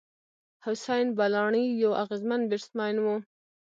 حسېن بلاڼي یو اغېزمن بېټسمېن وو.